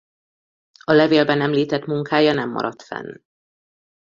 A levélben említett munkája nem maradt fenn.